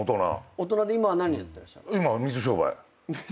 大人で今は何やってらっしゃる？